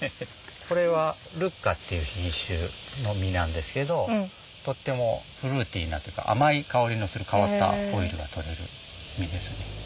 これはルッカっていう品種の実なんですけどとってもフルーティーなっていうか甘い香りのする変わったオイルが採れる実ですね。